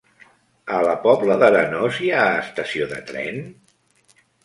A la Pobla d'Arenós hi ha estació de tren?